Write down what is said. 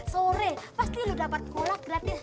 sore pasti lu dapat kolak gratis